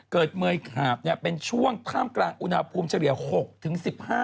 เกิดเมย์ขาบเป็นช่วงพร่ำกลางอุณหาภูมิเฉลี่ย๖๑๕องศา